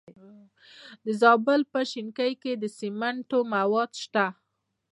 د زابل په شنکۍ کې د سمنټو مواد شته.